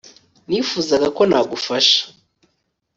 nifuzaga ko nagufasha